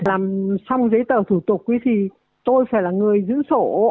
làm xong giấy tờ thủ tục ấy thì tôi sẽ là người giữ sổ